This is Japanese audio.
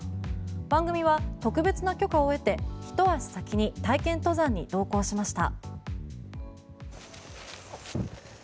番組は特別な許可を得て、ひと足先に体験登山に同行しました。